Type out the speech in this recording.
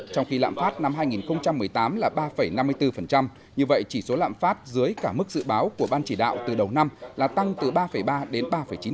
trong khi lạm phát năm hai nghìn một mươi tám là ba năm mươi bốn như vậy chỉ số lạm phát dưới cả mức dự báo của ban chỉ đạo từ đầu năm là tăng từ ba ba đến ba chín